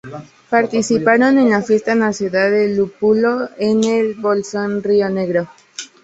Participaron en la Fiesta Nacional del Lúpulo en El Bolsón, Río Negro.